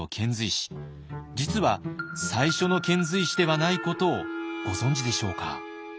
実は最初の遣隋使ではないことをご存じでしょうか。